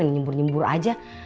ini nyembur nyembur aja